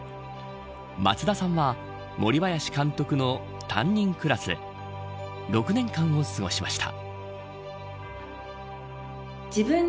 松田さんは森林監督の担任クラスで６年間を過ごしました。